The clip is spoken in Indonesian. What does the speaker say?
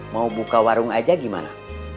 mau buka warung aja gimana